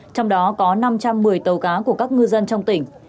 trong đó có năm trăm một mươi tàu cá của các ngư dân trong tỉnh